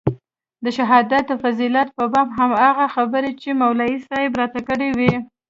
د شهادت د فضيلت په باب هماغه خبرې چې مولوي صاحب راته کړې وې.